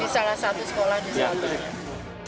di salah satu sekolah di sana